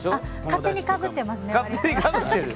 勝手にかぶってます。